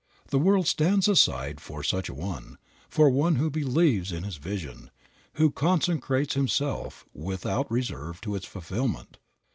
The world stands aside for such a one, for one who believes in his vision, who consecrates himself without reserve to its fulfillment.